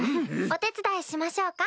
お手伝いしましょうか？